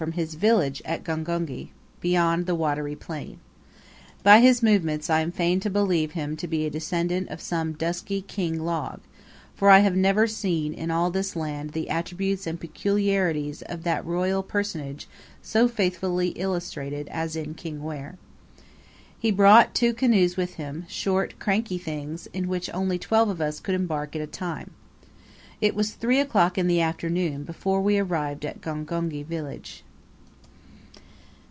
from his village at Gongoni, beyond the watery plain. By his movements I am fain to believe him to be a descendant of some dusky King Log, for I have never seen in all this land the attributes and peculiarities of that royal personage so faithfully illustrated as in Kingwere. He brought two canoes with him, short, cranky things, in which only twelve of us could embark at a time. It was 3 o'clock in the afternoon before we arrived at Gongoni village.